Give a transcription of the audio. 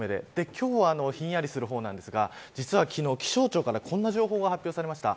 今日はひんやりする方なんですが実は昨日、気象庁からこんな情報が発表されました。